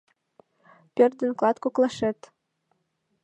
Пӧрт ден клат коклашет